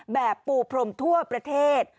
แบบปูพรมทั่วประเทศ